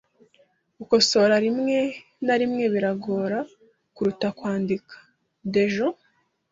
Gukosora rimwe na rimwe biragoye kuruta kwandika. (Dejo)